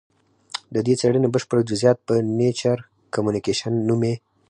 د دې څېړنې بشپړ جزیات په نېچر کمونیکشن نومې